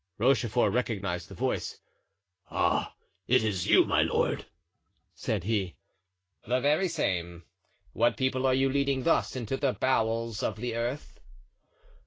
Rochefort recognized the voice. "Ah, it is you, my lord!" said he. "The very same. What people are you leading thus into the bowels of the earth?"